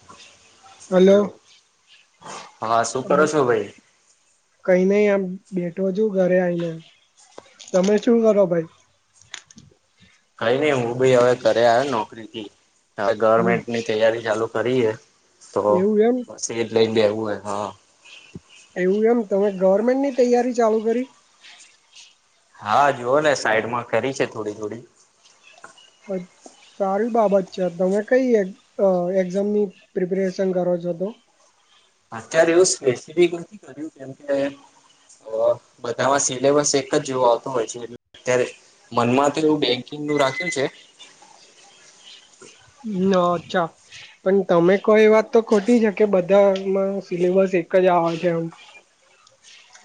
[inaudible] Hello હા શું કરો છો ભાઈ. કઈ નઈ આમ બેઠો છુ ઘરે આવીઈને તમે શું કરો ભાઈ. કઈ નઈ હું બી હવે કર્યા નોકરી થી હવે હમ ગવર્મેન્ટની તૈયારી ચાલુ કરીએે. તો એવું એમ બસ એર લઈન બી આવવું હોય હા. એવું એમ તમે ગવર્મેન્ટની તૈયારી ચાલુ કરી? હા જુઓ ને સાઈડમાં કરી છે થોડી થોડી. હ. સારી બાબત છે તમે કઈ એક્ઝામની પ્રિપેરેશન કરો છો તો. અત્યારે એવું સ્પેસિફિક નથી કર્યું કેમ કે. બધામાં સિલેબસ એક જ જેવો આવતો હોય છે અત્યારે. મનમાં તો એવું બેંકિંગ નું રાખ્યુ છે. હમ અચ્છા. પણ તમે કો એ વાત તો ખોટી છે કે બધામાં સિલેબસ એક જ આવે છે એમ [inaudible]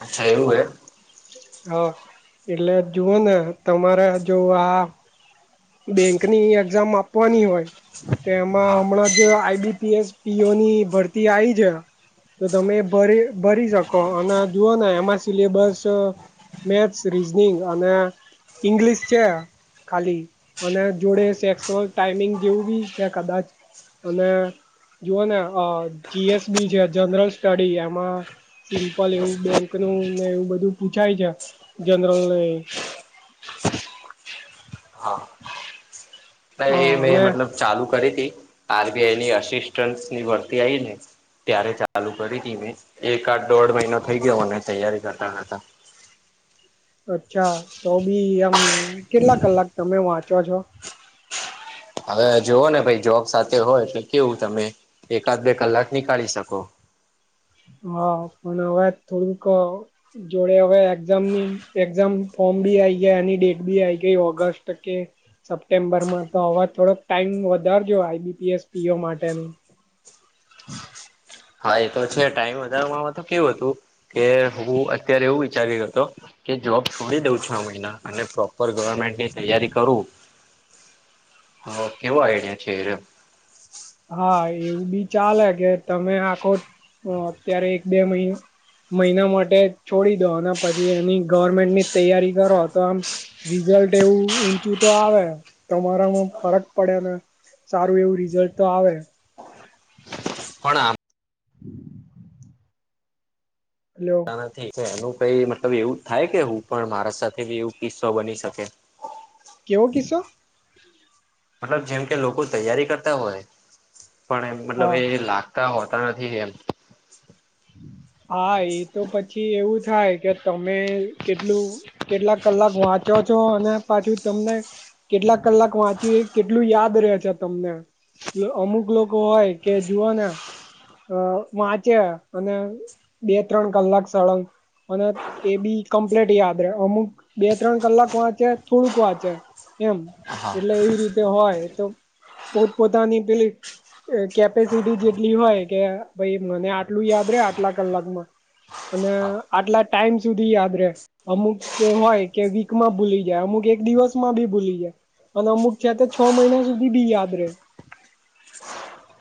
અચ્છા એવું હે હા એટલે જુઓ ને તમારે જો આ બેંક ની એક્ઝામ આપવાની હોય. તે એમાં હા હમણાં જ આઈબીપીએસ પીઓ ની ભરતી આવી છે. તો તમે ભરી ભરી શકો અને જુઓ ને એમાં સિલેબસ મેથ્સ રીઝનિંગ અને ઈંગ્લિશ છે ખાલી. અને જોડે ટેક્સનુ ટાઈમિંગ જેવું બી છે કદાચ અને જુઓ ને જીએસબી છે જનરલ સ્ટડી એમાં સિમ્પલ એવું બેંક નું ને એવું બધું પૂછાય છે જનરલ હા હ એ મેં અને મતલબ ચાલુ કરી હતી આરબીઆઈ ની અસિસ્ટન્ટની ભરતી આવી ને ત્યારે ચાલુ કરી હતી મેં એક આદ દોઢ મહિનો થઈ ગયો અને તૈયારી કરતા કરતા અચ્છા તો બી આમ કેટલા કલાક તમે વાંચો છો? હવે જોવો ને ભાઈ જોબ સાથે હોય એટલે કેવું તમે એકાદ બે કલાક નીકાળી શકો. હા પણ હવે થોડુંક જોડે હવે એક્ઝામની એક્ઝામ ફોર્મ બી આઈ ગયા એની ડેટ બી આઈ ગઈ ઓગસ્ટ કે સપ્ટેમ્બરમાં તો અવાજ થોડોક ટાઈમ વધારજો આઈબીપીએસ પીઓ માટેની [inaudible] હા એ તો છે ટાઈમ વધારમાં તો કેવું હતું. કે હું અત્યારે એવું વિચાર્યો હતો કે જોબ છોડી દઉં છું આ મહિના અને ઉપર ગવર્મેન્ટની તૈયારી કરું કેવો આઈડિયા છે એ હા એવું બી ચાલે કે તમે આખો અત્યારે એક બે મહિનો મહિના માટે છોડી દો અને પછી એની ગવર્મેન્ટની તૈયારી કરો તો આમ રિઝલ્ટ એવું ઊંચું તો આવે તમારામાં ફરક પડે ને સારું એવું રિઝલ્ટ તો આવે પણ આમાં [inaudible] [inaudible] એનું કઈ મતલબ એવું થાય કે હું પણ મારા સાથે એવું કિસ્સો બની શકે કેવો કિસ્સો? મતલબ જેમ કે લોકો તૈયારી કરતા હોય પણ હા મતલબ એ લાગ ગતા હોતા નથી એમ હા એ તો પછી એવું થાય કે તમે કેટલું કેટલાક કલાક વાંચો છો અને પાછું તમને કેટલા કલાક વાંચી કેટલું યાદ રહે છે? તમને અમુક લોકો હોય કે જુઓને વાંચ્યા અને બે ત્રણ કલાક સળંગ અને એ બી કમ્પ્લીટ યાદ રહે અમુક બે ત્રણ કલાક વાંચે થોડુંક વાંચે એમ હા એટલે એવી રીતે હોય તો પોત પોતાની પેલી કેપેસિટી જેટલી હોય કે ભાઈ મને આટલું યાદ રે આટલા કલાકમાં અને હા આટલા ટાઈમ સુધી યાદ રે અમુક હોય કે વીકમાં ભૂલી જાય અમુક એક દિવસમાં ભી ભૂલી જાય અને અમુક છે તે છ મહિના સુધી બી યાદ રહે.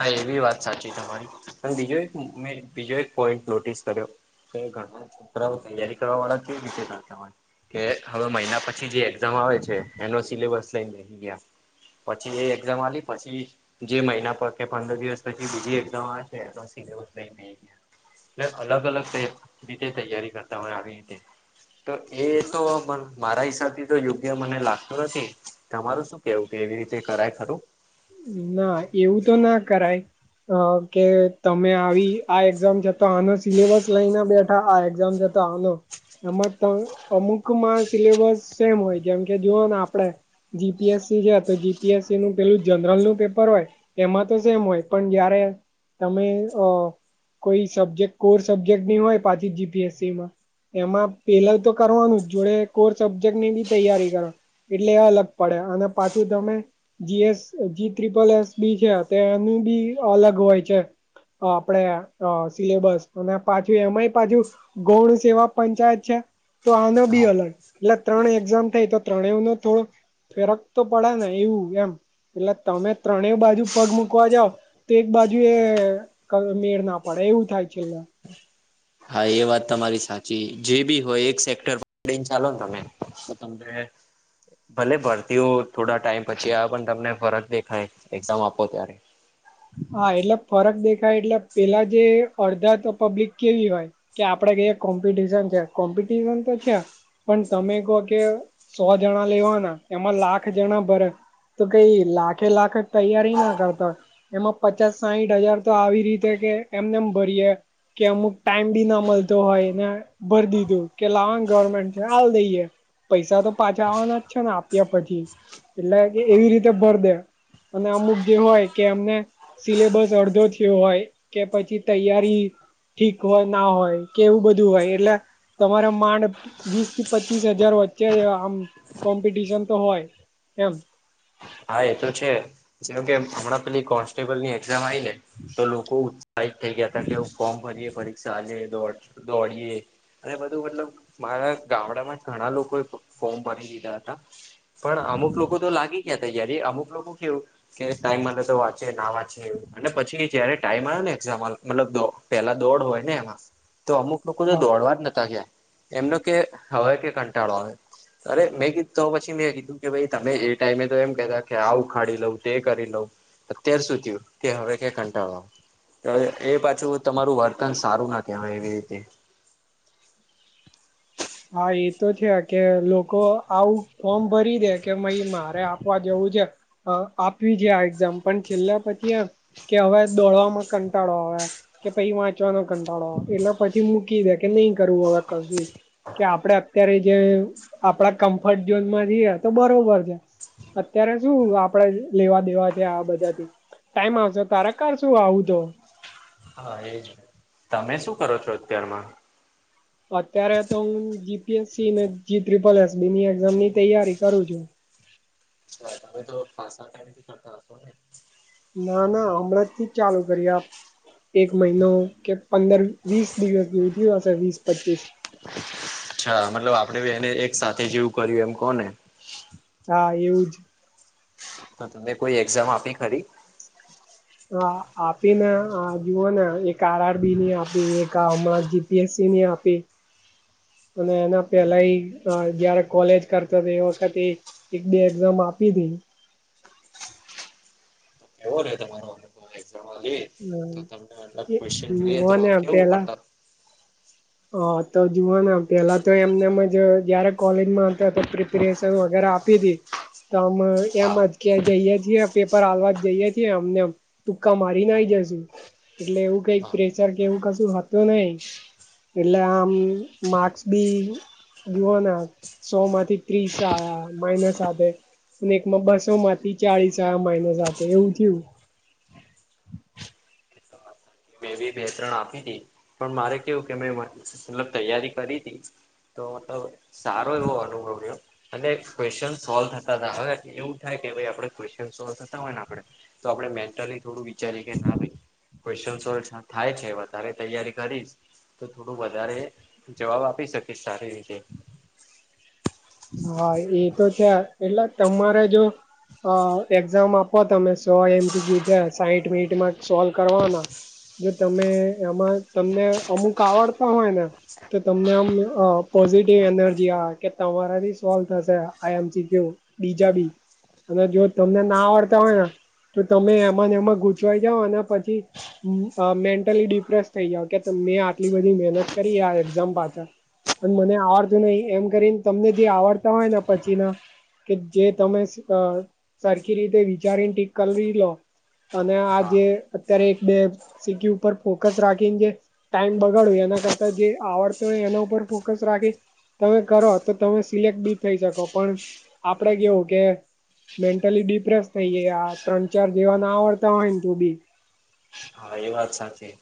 હા એવી વાત સાચી તમારી પણ બીજો એક મે બીજો એક પોઈન્ટ નોટિસ કર્યો. તો ઘણા છોકરાઓ તૈયારી કરવા વાળા કેવી રીતે થાય તમારે કે હવે મહિના પછી જે એક્ઝામ આવે છે એનો સિલેબસ લઈને બેહી ગિયા પછી એ એક્ઝામ આલી પછી જે મહિના પ ર કે પંદર દિવસ પછી બીજી એક્ઝામ આવે [unintelligible] લે અલગ અલગ તે રીતે તૈયારી કરતા હોય આવી રીતે તો એ તો મ મારા હિસાબથી તો યોગ્ય મને લાગતું નથી તમારું શું કેવું કે એવી રીતે કરાય ખરુ ના એવું તો ના કરાય અ કે તમે આવી આ એક્ઝામ છતા આનો સિલેબસ લઈને બેઠા આ એક્ઝામ જ ત આનો એમાં ત અમુકમાં સિલેબસ સેમ હોય જેમ કે જુઓ ને આપડે જીપીએસસી છે. ત જીપીએસસી નું પેલું જ જનરલ નું પેપર હોય, એમાં તો સેમ હોય પણ જયારે તમે અ કોઈ સબ્જેક્ટ કોર સબ્જેક્ટ ન હોય, પાછી જીપીએસસીમાં એમાં પેલા તો કરવાનું જ જોડે કોર સબ્જેક્ટ ની બી તૈયારી કરવા એટલે અલગ પડે અને પાછું, તમે GS G triple S B છે. તેનું બી અલગ હોય છે. આપડે અ સિલેબસ અને પાછું એમાંય પાછું ગૌણ સેવા પંચાયત છે. તો આ ન બી હા અલણ એટલે ત્રણ એક્ઝામ થઈ, તો ત્રણેવ નો થોડો ફેરક તો પડે ને એવું એમ એટલે તમે ત્રણેય બાજુ પગ મુૂકવા જાવ તે એક બાજુ એ ક મેળ ના પડે એવું થાય, છેલ્લે હા એ વાત તમારી સાચી જે બી હોય, એક સેક્ટર ડીન ચાલો ને તમે [unintelligible] ભલે ભરતીઓ થોડા ટાઈમ પછી આવે પણ તમને ફરજ દેખાય એક્ઝામ આપો ત્યારે. હા, એટલે ફરક દેખાય એટલે પેલા જે અડધા તો પબ્લિક કેવી હોય કે આપડે કઈએ કોમ્પિટશન છે, કોમ્પિટિશન તો છે. પણ તમે કહો કે સો જણા લેવાના એમાં લાખ જણા ભરે તો કઈ લાખે લાખ તૈયારી ના કરતા હોય એમાં પચાસ સાયીઠ હજાર, તો આવી રીતે કે એમનેમ ભરીએે કે અમુક ટાઈમ બી ના મળતો હોય ને ભર દીધું કે લાવ ગવર્મેન્ટ છે. હાલ દઈએ પૈસા તો પાછા આવવાના જ છે ને આપ્યા પછી એટલે ક એવી રીતે ભર દે અને અમુક જે હોય કે અમને સિલેબસ અડધો થીયો હોય કે પછી તૈયારી ઠીક હોય ના હોય, કે એવું બધું હોય એટલે તમારે માંડ વીસ થી પચીસ હજાર વચ્ચે ય આમ કોમ્પિટિશન તો હોય, એમ હા એ તો છે. જેમ કે હમણાં પેલી કોન ટેબલની એક્ઝામ આઇલે તો લોકો ઉત્સાહિત થઈ ગયા હતા, કે ફોર્મ ભરીએ ભરી સાજે દોડ દોડીએ અને બધું મતલબ મારા ગામડામાં જ ઘણા લોકોએ ફોર્મ ભરી દીધા હતા. પણ અમુક લોકો તો લાગી ગયા તા જયારે અમુક લોકો કેવું કે ટાઈમ માટે તો વાંચે ના વાંચે એવું અને પછી. જયારે ટાઈમ આવે ને એઝામ આલ મતલબ દો પેલા દોડ હોય ને એમાં તો અમુક લોકો તો દોડવા જ નતા ગયા એમનો કે હવે કે કંટાળો આવે અરે મેં કીધું તો પછી મેં કીધું કે ભઈ તમે એટ ટાઈમે તો એમ કતા કે આવ ઉખાડી લઉં તે કરી લઉ અત્યાર સુું થયું કે હવે, કે કંટાળવા તો એ પાછું તમારું વર્તન સારું ના કહેવાય એવી રીતે હા એ તો છે કે લોકો આવું ફોર્મ ભરી દે કે મઇ મારે આપવા જવું છે. આપ્યું છે આ એક્ઝામ પણ છેલ્લે પછી એમ કે હવે દોડવામાં કંટાળો આવે કે પછી વાંચવાનો કંટાળો એટલે પછી મૂકી દે કે નહી, કરવું હવે કશું કે આપડે અત્યારે જે આપડા કમ્ફર્ટ ઝોનમાં જઈએ તો બરોબર છે. અત્યારે શું આપડે લેવા દેવા છે. આ બધાથી ટાઈમ આવશેો તારા કાર શું આવું તો હા, એજ તમે શું કરો છો અત્યારમાં? અત્યારે તો હું જીપીએસસી જી તિપલ એસ બીની એક્ઝામ ની તૈયારી કરું છું તમે તો ખાસ કથી કરતા હશો ને ના ના હમણાં થી જ ચાલુ કરી આપ એક મહિનો કે પંદર વીસ દિવસની ઉજ્યું હશે વીસ પચીસ અચ્છા મતલબ આપણેેી એને એક સાથે જેવું કર્યું એમ કોને હા એવું જ. તો તને કોઈ એક્ઝામ આપી ખરી? હ આપીને જુઓ ને એક આરઆરબી ની આપી એક હ જીપીએસસી ની આપી. અને એના પેલા જયારે કોલેજ કરતો હતો એ વખતે એક બે એક્ઝામ આપી હતી [unintelligible] લે હમ્મ તો તમને મતલબ એ ક્વેશ્ચન હ જોઈએ તો હને કેવું આપેલા મતલબ હા તો જોુવાના પેલા તો એમને જ જયારે કોલેજમાં હતા સ વગર અપિતી તો અમે એમ હા જ ક્યા જઈએ છીએ પેપર હાલવા જ જઈએ છીએ અમને ટુક્કા મારી નાઈ હા જશું એટલે એવું કઈક પ્રેશર કે એવું કશું હત નહી એટલે આમ માક્સ બી જુઓ ના સો માંથી ત્રીસ આ માઇનસ આપ અને એકમાં બસો માંથી ચાળસ માઇનસ એવું થયું મેં બી બે તરણ આપી હતી પણ મારે કેવું કે મે મતલબ તૈયારી કરી હતી તો મતલબ સારો એવો અનુભવ રહ્યો અને ક્વેશ્ચન સોલ્વ થતા હતા હવે એવું થાય કે ભાઈ આપડે ક્વેશ્ન સોલ્વ થતા હોય ને આપડે તો આપડણે મેન્ટલી થોડું વિચારીએ કે ના ભાઈ ક્વન સોલ્વ થાય છે વધારે તૈયારી કરીશ તો થોડું વધારે જવાબ આપી શકીશ સારી રીતે હા એ તો છે એટલે તમારે જો હ એક્ઝામ આપો તમે સો એમસીક્યુ છે સાઈઠ મિનિટ માં સોલ્વ કરવાના જો તમે આમાં તમને અમુક આવડતા હોય ને તો તમને આમ પોઝિટિવ એનર્જી આવે કે તમારાથી સો થશે આ એમસી બીજા બી અને જો તમને ના આવડતા હોય ને તો તમે એમાંને એમાં ઘૂચવાઈ જાાવ અને પછી મેન્ટલી ડિપ્રેસ થઈ જાવ કે મે આટલી બધી મહેનત કરી આ એક્ઝામ પાછળ પણ મને આવડતું નહી એમ કરીને તમને જે આવડતા હોય પછી ના કે જે તમે સરખી રીતે વિચારીને ટી કરી લો અને આ હા જે અત્યારે એક બે સીટી ઉપર ફોકસ રાખીને જે ટાઈમ બગાડો એના કરતા જે આવડતો હોય એના ઉપર ફોકસ રાખી તમે કરો તો તમે સિલેક્ટ બી થઈ શકો પણ આપડે કેવું કે મેન્ટલી ડિપ્રેસ થઈ જાય આ ત્રણ ચાર જેવા ના આવડતા હોય ને તું બી હા એ વાત સાચી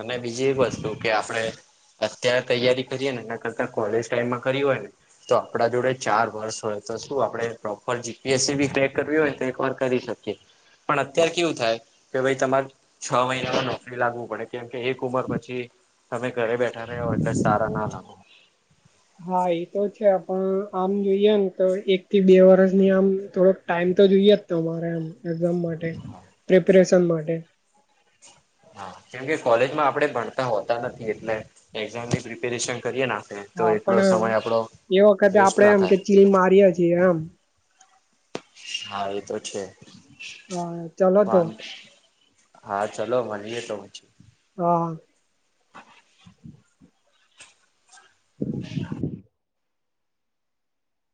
અને બીજી એક વસ્તુ કે આપડે અત્યારે તૈયારી કરીએ ને એના કરતા કોલેજ ટાઈમમાં કરી હોય ને તો આપડા જોડે ચાર વર્ષ હોય તો શું આપડે જીપીએસસી બી ક્રેક કરવી હોય તો એક વાર કરી શકીએ પણ અત્યારે કેવું થાય કે ભાઈ તમારે છ મહિનામાં નોકરી લાગવું પડે કેમ કે એક ઉંમર પછી તમે ઘરે બેઠા રહ્યો, એટલે સારા ના લાગો. હ. હા, એ તો છે, પણ આમ જોઈએ ને તો એક થી બે વર્ષની આમ થોડોક ટાઈમ તો જોઈએ. તમારે એક્ઝામ માટે પ્રિપરેશન માટે કેમકે કોલેજમાં આપડે ભણતા હોતા નથી, એટલે એક્ઝામની પ્રિપેરેશન કરીએ. આપણે તો હા, એટલો પણ સમય આપણો એ વખતે વેસ્ટ આપડે ના એમ કે થાય ચીલ મારીએ છીએ એમ. હા, એ તો છે. હા ચલો તો પણ હા, ચલો મલીએ તો. હા.